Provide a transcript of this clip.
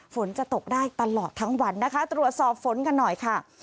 ฝนจะตกได้ตลอดทั้งวันนะคะตรวจสอบฝนกันหน่อยค่ะ